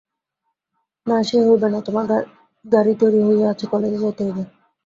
না সে হইবে না–তোমার গাড়ি তৈরি হইয়া আছে–কালেজে যাইতে হইবে।